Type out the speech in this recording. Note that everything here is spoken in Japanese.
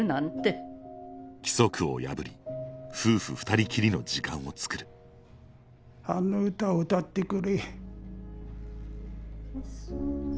規則を破り夫婦ふたりきりの時間を作るあの歌を歌ってくれ。